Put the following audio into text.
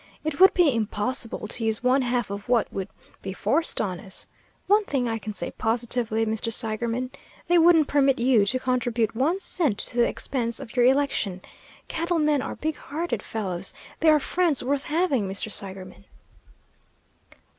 It would be impossible to use one half of what would be forced on us. One thing I can say positively, Mr. Seigerman: they wouldn't permit you to contribute one cent to the expense of your election. Cattle men are big hearted fellows they are friends worth having, Mr. Seigerman."